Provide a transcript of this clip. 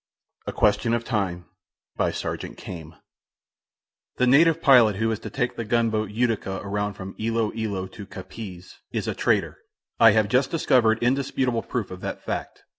A QUESTION OF TIME "The native pilot who is to take the gunboat Utica around from Ilo Ilo to Capiz is a traitor. I have just discovered indisputable proofs of that fact.